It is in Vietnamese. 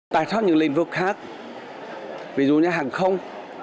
tài thoát những lĩnh vực khác ví dụ nhà hàng không